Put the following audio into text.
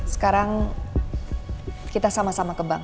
sekarang kita sama sama ke bank